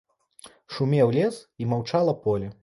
Шумеў лес, і маўчала поле.